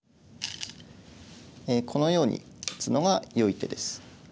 このように打つのがよい手です。